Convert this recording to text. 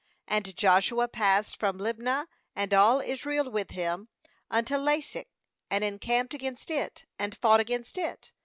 ^And Joshua passed from Libnah, and all Israel with him^unto Lachish, and encamped against it, and fought against it.